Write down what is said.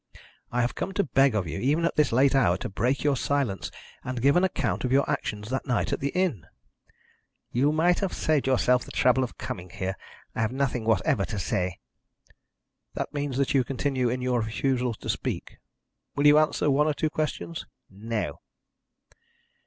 "I have come to beg of you, even at this late hour, to break your silence, and give an account of your actions that night at the inn." "You might have saved yourself the trouble of coming here. I have nothing whatever to say." "That means that you continue in your refusal to speak. Will you answer one or two questions?" "No."